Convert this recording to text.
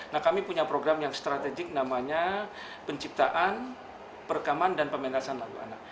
nah kami punya program yang strategik namanya penciptaan perekaman dan pementasan lalu anak